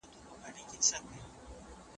پوهنځی د علم او خاطراتو ځای دی.